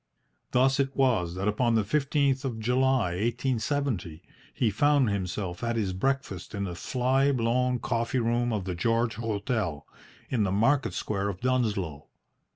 Thus it was that upon the 15th of July, 1870, he found himself at his breakfast in the fly blown coffee room of the "George Hotel" in the market square of Dunsloe.